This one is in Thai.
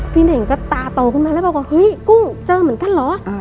เน่งก็ตาโตขึ้นมาแล้วบอกว่าเฮ้ยกุ้งเจอเหมือนกันเหรอ